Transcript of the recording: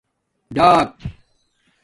ڈݳک